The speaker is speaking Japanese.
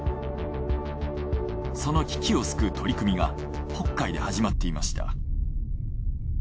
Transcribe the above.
その危機を救う取り組みが北海で始まっていました。